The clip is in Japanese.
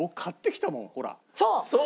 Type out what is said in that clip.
そう！